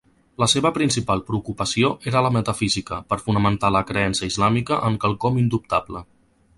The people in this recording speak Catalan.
La seva principal preocupació era la metafísica, per fonamentar la creença islàmica en quelcom indubtable.